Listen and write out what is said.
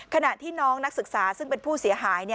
ขณะที่น้องนักศึกษาซึ่งเป็นผู้เสียหาย